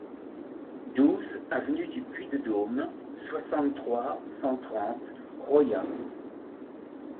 douze avenue du Puy de Dôme, soixante-trois, cent trente, Royat